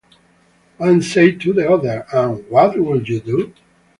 "One Said to the Other" and "What Would You Do?